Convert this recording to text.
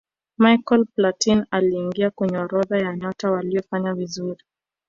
michael platin aliingia kwenye orodha ya nyota waliofanya vizuri